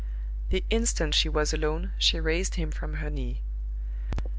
The instant she was alone she raised him from her knee.